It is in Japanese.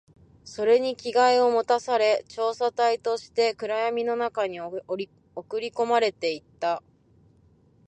それに着替えを持たされ、調査隊として暗闇の中に送り込まれていった